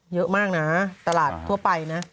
เยอะมากนะตลาดทั่วไปนะ